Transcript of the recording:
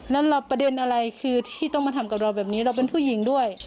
แล้วประเด็นอะไรคือที่ต้องมาทำกับเราแบบนี้เราเป็นผู้หญิงด้วย